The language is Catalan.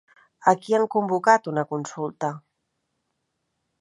A qui han convocat a una consulta?